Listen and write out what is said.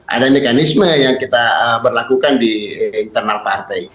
ada mekanisme yang kita berlakukan di internal partai